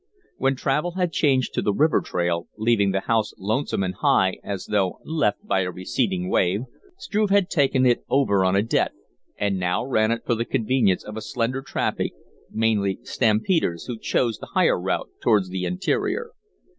When travel had changed to the river trail, leaving the house lonesome and high as though left by a receding wave, Struve had taken it over on a debt, and now ran it for the convenience of a slender traffic, mainly stampeders, who chose the higher route towards the interior.